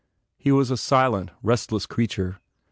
He was a silent, rest less creature.